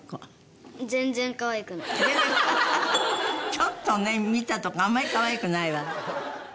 ちょっとね見たとこあんまりかわいくないわ。